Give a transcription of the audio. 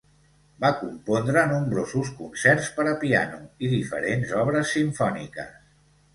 Va compondre nombrosos concerts per a piano i diferents obres simfòniques.